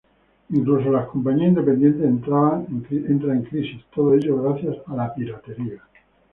Incluso las compañías independientes entran en crisis, todo ello gracias a la piratería.